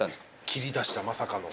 切り出したまさかの。